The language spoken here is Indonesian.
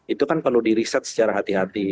itu kan perlu di riset secara hati hati